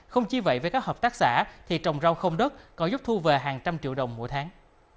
không chỉ vậy với các hợp tác xã thì trồng rau không đất còn giúp thu về hàng trăm triệu đồng mỗi tháng